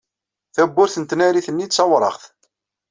Tawwurt n tnarit-nni d tawraɣt.